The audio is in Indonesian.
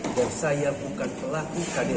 dan saya bukan pelaku kdrt